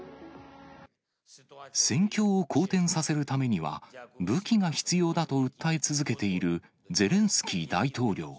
戦況を好転させるためには、武器が必要だと訴え続けているゼレンスキー大統領。